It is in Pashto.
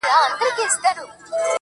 دا هم پاچا دی هم وزير دی هم طبيب د خلکو